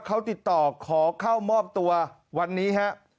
เขาติดต่อขอเข้ามอบตัววันนี้ครับ